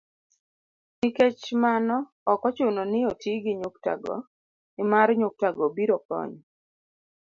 Nikech mano, ok ochuno ni oti gi nyuktago, nimar nyuktago biro konyo